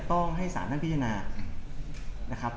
ต้องให้สารท่านพิจารณานะครับ